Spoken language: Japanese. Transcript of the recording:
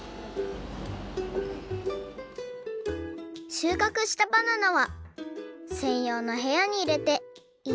しゅうかくしたバナナはせんようのへやにいれて１